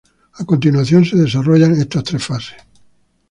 A continuación se desarrollan estas tres fases.